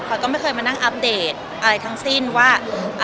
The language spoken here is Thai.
ก็ไม่เคยมานั่งอัปเดตอะไรทั้งสิ้นว่า